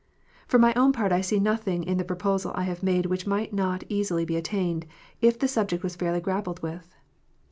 For my own part I see nothing in the proposal I have made which might not easily be attained, if the subject was fairly grappled with.